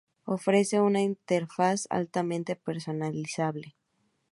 Ofrece una interfaz altamente personalizable.